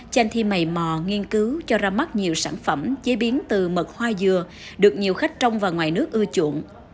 chanh thi mầy mò nghiên cứu cho ra mắt nhiều sản phẩm chế biến từ mật hoa dừa được nhiều khách trong và ngoài nước ưa chuộng